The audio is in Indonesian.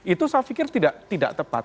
itu saya pikir tidak tepat